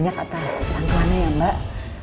terima kasih banyak atas bantuannya ya mbak